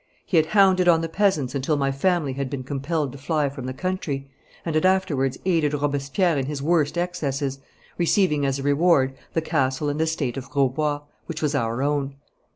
He had hounded on the peasants until my family had been compelled to fly from the country, and had afterwards aided Robespierre in his worst excesses, receiving as a reward the castle and estate of Grosbois, which was our own.